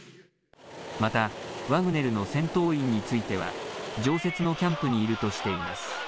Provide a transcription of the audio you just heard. また、ワグネルの戦闘員については、常設のキャンプにいるとしています。